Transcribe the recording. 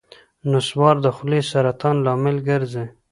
نصوار د خولې سرطان لامل ګرځي.